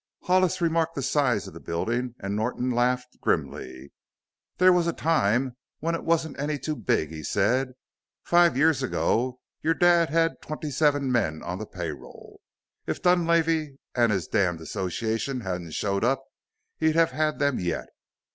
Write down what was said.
Hollis remarked the size of the building and Norton laughed grimly. "There was a time when it wasn't any too big," he said. "Five years ago your dad had twenty seven men on the pay roll. If Dunlavey an' his damn association hadn't showed up he'd have had them yet."